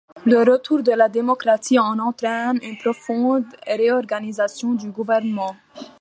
Le retour de la démocratie en entraîne une profonde réorganisation du gouvernement.